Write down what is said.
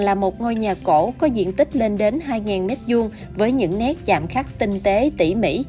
là một ngôi nhà cổ có diện tích lên đến hai m hai với những nét chạm khắc tinh tế tỉ mỉ